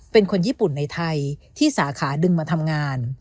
เป็นคนญี่ปุ่นในไทยที่สาขาดึงมาทำงาน